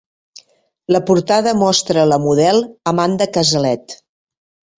La portada mostra a la model Amanda Cazalet.